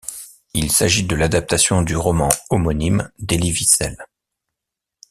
Il s'agit de l'adaptation du roman homonyme d'Elie Wiesel.